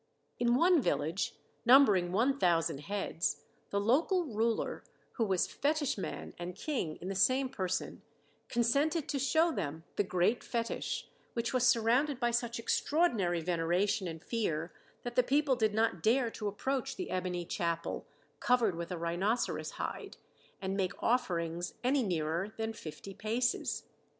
In one village, numbering one thousand heads, the local ruler, who was fetish man and king in the same person, consented to show them "the great fetish," which was surrounded by such extraordinary veneration and fear that the people did not dare to approach the ebony chapel, covered with a rhinoceros hide, and make offerings any nearer than fifty paces.